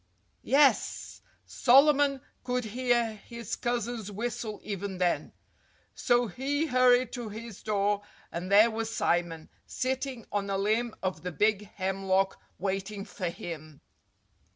Yes! Solomon could hear his cousin's whistle even then. So he hurried to his door; and there was Simon, sitting on a limb of the big hemlock waiting for him!